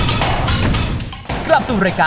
ยังเพราะความสำคัญ